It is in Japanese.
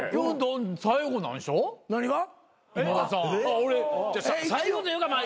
俺最後というか一時ね。